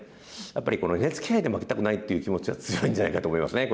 やっぱりこのＮＨＫ杯で負けたくないっていう気持ちは強いんじゃないかと思いますね